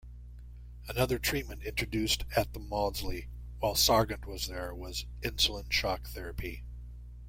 Another treatment introduced at the Maudsley while Sargant was there was insulin shock therapy.